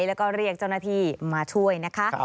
แล้วก็เรียกเจ้าหน้าที่มาช่วยนะคะ